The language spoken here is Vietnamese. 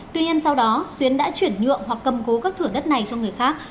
tuy nhiên sau đó xuyến đã chuyển nhượng hoặc cầm cố các thửa đất này cho người khác